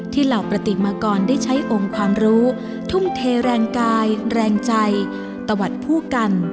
เหล่าปฏิมากรได้ใช้องค์ความรู้ทุ่มเทแรงกายแรงใจตะวัดคู่กัน